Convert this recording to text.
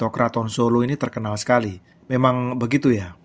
keraton solo ini terkenal sekali memang begitu ya